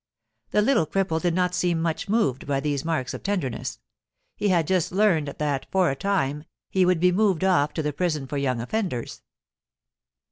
The little cripple did not seem much moved by these marks of tenderness; he had just learned that, for a time, he would be moved off to the prison for young offenders.